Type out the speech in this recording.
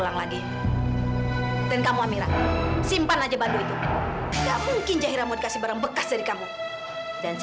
tapi kalau memang bener buat jahira saya lepas sekarang